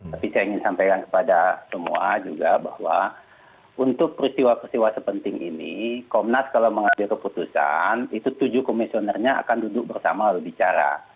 tapi saya ingin sampaikan kepada semua juga bahwa untuk peristiwa peristiwa sepenting ini komnas kalau mengambil keputusan itu tujuh komisionernya akan duduk bersama lalu bicara